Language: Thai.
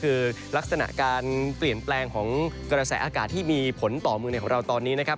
คือลักษณะการเปลี่ยนแปลงของกระแสอากาศที่มีผลต่อเมืองในของเราตอนนี้นะครับ